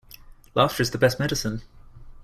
Laughter is the best medicine.